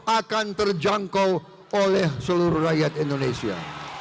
akan terjangkau oleh seluruh rakyat indonesia